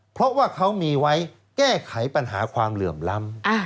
เพราะว่าเขามีไว้แก้ไขปัญหาความเหลื่อมล้ำ